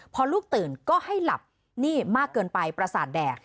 พอลูกตื่นก็ให้หลับนี่มากเกินไปประสาทแดด